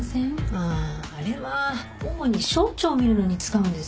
あああれは主に小腸をみるのに使うんです。